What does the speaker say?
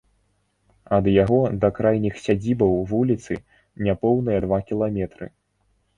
Ад яго да крайніх сядзібаў вуліцы няпоўныя два кіламетры.